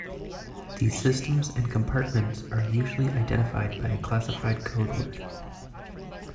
These systems and compartments are usually identified by a classified codeword.